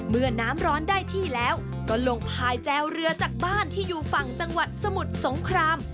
เมื่อน้ำร้อนได้ที่แล้วก็ลงพายแจวเรือจากบ้านที่อยู่ฝั่งจังหวัดสมุทรสงคราม